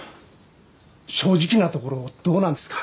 正直なところどうなんですか？